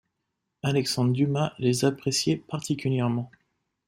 Alexandre Dumas les appréciait particulièrement.